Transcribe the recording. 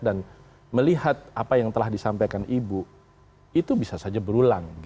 dan melihat apa yang telah disampaikan ibu itu bisa saja berulang